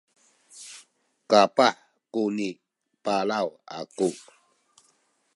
kapah kuni palaw aku